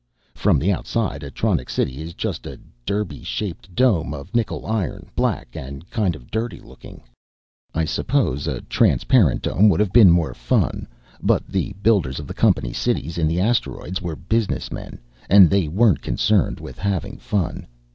From the outside, Atronics City is just a derby shaped dome of nickel iron, black and kind of dirty looking. I suppose a transparent dome would have been more fun, but the builders of the company cities in the asteroids were businessmen, and they weren't concerned with having fun.